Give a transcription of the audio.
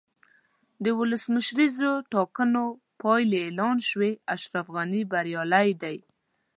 د ولسمشریزو ټاکنو پایلې اعلان شوې، اشرف غني بریالی دی.